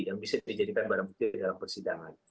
yang bisa dijadikan barang bukti dalam persidangan